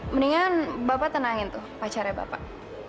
mendingan bapak tenangin tuh pacarnya bapak